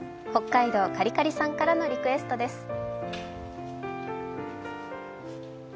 北海道、かりかりさんのリクエストです。